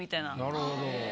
なるほど。